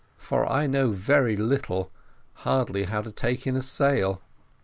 for I know very little hardly how to take in a sail.